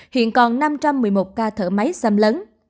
hiện còn năm trăm một mươi một ca thở máy xâm lấn